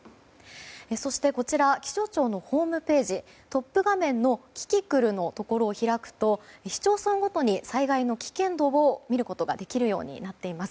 そして、気象庁のホームページのトップ画面のキキクルのところを開くと市町村ごとに災害の危険度を見ることができるようになっています。